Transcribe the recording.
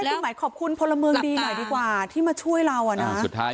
คือหมายขอบคุณพลเมืองดีหน่อยดีกว่าที่มาช่วยเราอ่ะนะสุดท้าย